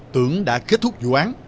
tưởng đã kết thúc dụ án